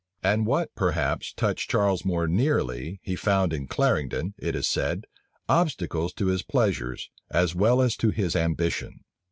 And what, perhaps, touched Charles more nearly, he found in Clarendon, it is said, obstacles to his pleasures, as well as to his ambition.